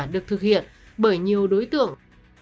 được thực hiện bởi nhiều đối tượng